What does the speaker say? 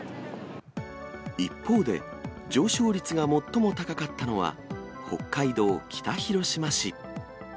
一方で、上昇率が最も高かったのは、北海道北広島市。